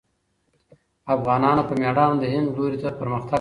افغانانو په مېړانه د هند لوري ته پرمختګ وکړ.